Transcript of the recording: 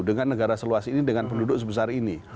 dengan negara seluas ini dengan penduduk sebesar ini